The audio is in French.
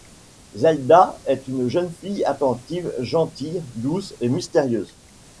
Zelda est une jeune fille attentive, gentille, douce et mystérieuse.